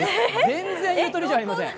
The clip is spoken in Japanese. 全然ゆとりじゃありません！